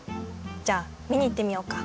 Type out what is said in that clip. じゃあみにいってみようか。